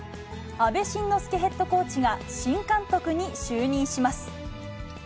阿部慎之助ヘッドコーチが新監督に就任します。